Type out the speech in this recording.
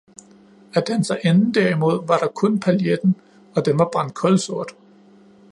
af danserinden derimod var der kun pailletten, og den var brændt kulsort.